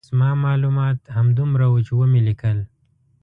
زما معلومات همدومره وو چې ومې لیکل.